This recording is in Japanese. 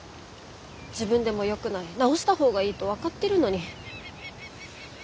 自分でもよくない直した方がいいと分かってるのに。